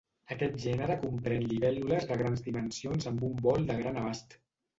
Aquest gènere comprèn libèl·lules de grans dimensions amb un vol de gran abast.